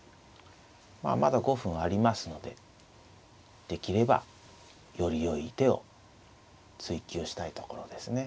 まあまだ５分ありますのでできればよりよい手を追求したいところですね。